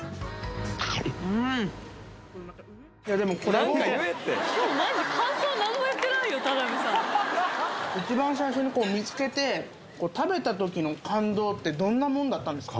うん今日マジ一番最初に見つけて食べた時の感動ってどんなもんだったんですか？